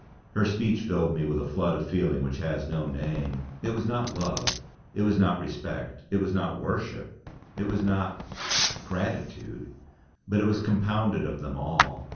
Her speech filled me with a flood of feeling which has no name. It was not love; it was not respect; it was not worship; it was not, gratitude. But it was compounded of them all.